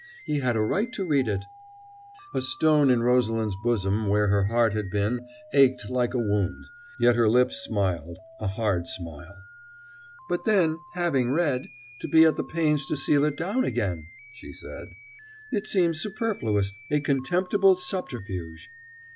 He had a right to read it." A stone in Rosalind's bosom where her heart had been ached like a wound; yet her lips smiled a hard smile. "But then, having read, to be at the pains to seal it down again!" she said. "It seems superfluous, a contemptible subterfuge."